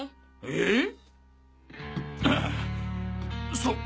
えっ？